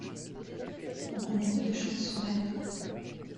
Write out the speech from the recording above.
On connaît peu de choses sur elles.